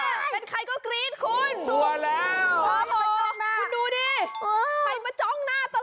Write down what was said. อ้าวเป็นใครก็กรี๊ดคุณโอ้โฮดูดิใครมาจ้องหน้าตลอด